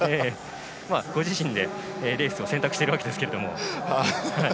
ご自身でレースを選択しているわけですけれども。